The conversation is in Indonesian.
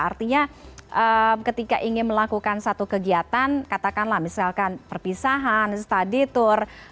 artinya ketika ingin melakukan satu kegiatan katakanlah misalkan perpisahan study tour